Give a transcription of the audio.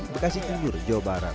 dan di jawa barat